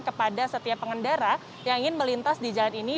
kepada setiap pengendara yang ingin melintas di jalan ini